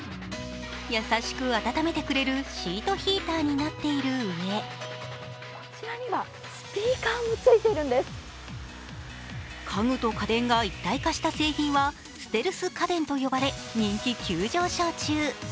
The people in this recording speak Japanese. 優しく温めてくれるシートヒーターになっているうえ家具と家電が一体化した製品はステルス家電と呼ばれ、人気急上昇中。